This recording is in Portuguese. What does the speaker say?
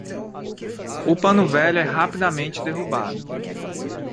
O pano velho é rapidamente derrubado.